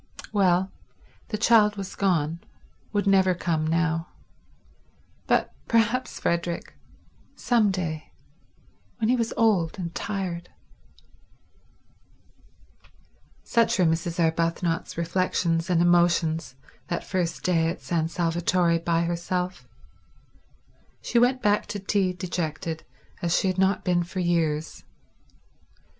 Well, the child was gone, would never come now; but perhaps Frederick—some day—when he was old and tired ... Such were Mrs. Arbuthnot's reflections and emotions that first day at San Salvatore by herself. She went back to tea dejected as she had not been for years.